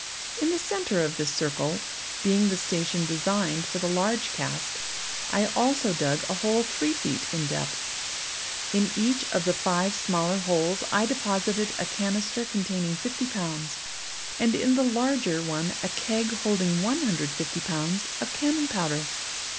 In the centre of this circle, being the station designed for the large cask, I also dug a hole three feet in depth. In each of the five smaller holes, I deposited a canister containing fifty pounds, and in the larger one a keg holding one hundred and fifty pounds, of cannon powder.